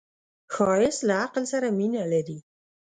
ښایست له عقل سره مینه لري